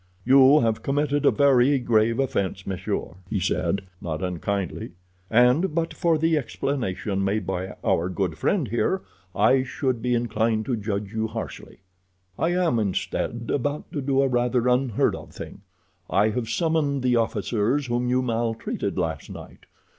"You have committed a very grave offense, monsieur," he said, not unkindly, "and but for the explanation made by our good friend here I should be inclined to judge you harshly. I am, instead, about to do a rather unheard of thing. I have summoned the officers whom you maltreated last night.